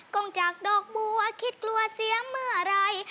งจากดอกบัวคิดกลัวเสียเมื่อไหร่